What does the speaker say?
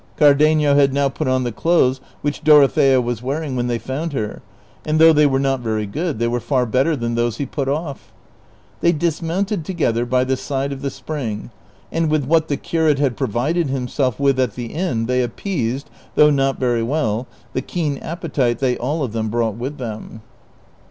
Cardenio had now put on the clothes Avhich Dorothea Avas wearing when they found her, and though they were not very good, they were far better than those he put off. They dismounted together by the side of the spring, and Avith what the curate had provided himself with at the inn they appeased, though not very Avell, the keen appetite they all of them brought with them.